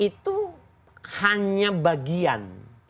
itu hanya bagian